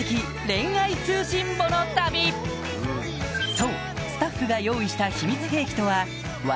そうスタッフが用意した秘密兵器とは「笑